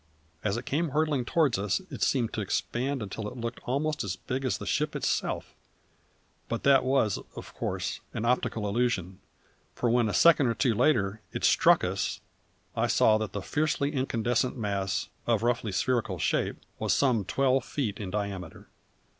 As it came hurtling toward us it seemed to expand until it looked almost as big as the ship herself; but that was, of course, an optical illusion, for when, a second or two later, it struck us, I saw that the fiercely incandescent mass, of roughly spherical shape, was some twelve feet in diameter.